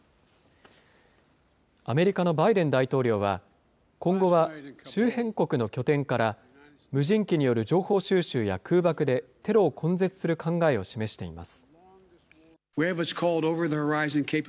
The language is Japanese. アメリカのバイデン大統領は、今後は周辺国の拠点から、無人機による情報収集や空爆で、テロを根絶する考えを示しています。